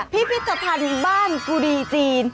พิพิธภัณฑ์บ้านกุดีจีน